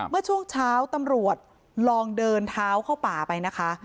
เมื่อช่วงเช้าตำรวจลองเดินเท้าเข้าป่าไปนะคะ